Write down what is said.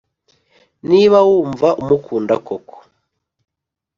niba wumva umukunda koko